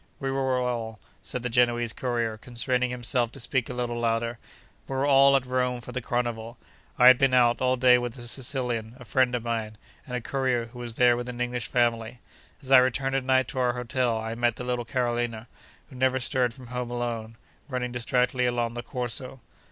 We were all (said the Genoese courier, constraining himself to speak a little louder), we were all at Rome for the Carnival. I had been out, all day, with a Sicilian, a friend of mine, and a courier, who was there with an English family. As I returned at night to our hotel, I met the little Carolina, who never stirred from home alone, running distractedly along the Corso.